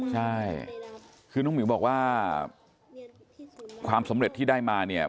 ใช่คือน้องหมิวบอกว่าความสำเร็จที่ได้มาเนี่ย